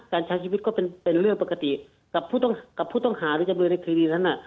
ใช้ชีวิตก็เป็นเรื่องปกติกับผู้ต้องหาหรือจำเลยในคดีนั้น